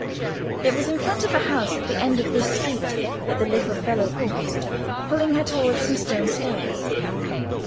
It was in front of a house at the end of this street that the little fellow paused, pulling her towards some stone stairs.